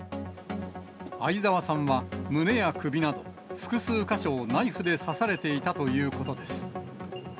相沢さんは、胸や首など、複数箇所をナイフで刺されていたということです。